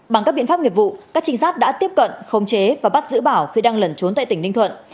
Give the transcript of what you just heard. bằng các biện pháp nghiệp vụ các trinh sát đã tiếp cận khống chế và bắt giữ bảo khi đang lẩn trốn tại tỉnh ninh thuận